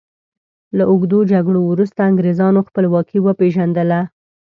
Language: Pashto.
له اوږدو جګړو وروسته انګریزانو خپلواکي وپيژندله.